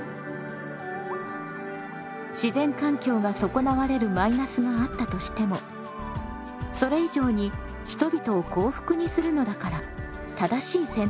自然環境が損なわれるマイナスがあったとしてもそれ以上に人々を幸福にするのだから正しい選択と言えます。